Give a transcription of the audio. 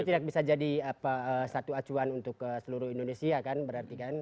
itu tidak bisa jadi satu acuan untuk seluruh indonesia kan berarti kan